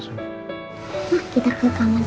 hore dedek sekalian pulang